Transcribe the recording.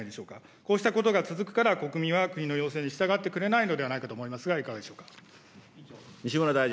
こうしたことが続くから、国民は国の要請に従ってくれないのではないかと思いますが、いかがでしょうか。